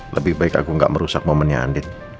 lebih baik aku gak merusak momennya andin